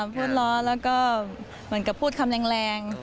พูดล้อแล้วก็เหมือนกับพูดคำแรง